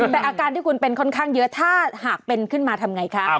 แต่อาการที่คุณเป็นค่อนข้างเยอะถ้าหากเป็นขึ้นมาทำไงคะ